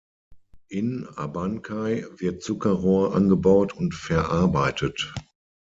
In Abancay wird Zuckerrohr angebaut und verarbeitet.